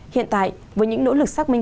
hiện tại với những nỗ lực xác minh